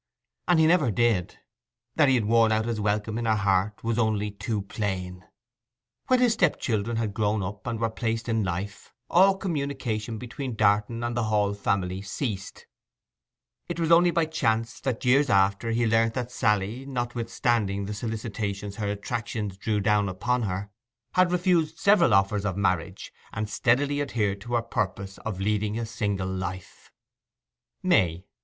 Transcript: And he never did. That he had worn out his welcome in her heart was only too plain. When his step children had grown up, and were placed out in life, all communication between Darton and the Hall family ceased. It was only by chance that, years after, he learnt that Sally, notwithstanding the solicitations her attractions drew down upon her, had refused several offers of marriage, and steadily adhered to her purpose of leading a single life May 1884.